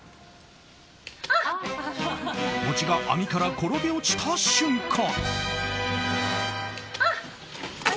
餅が網から転げ落ちた瞬間。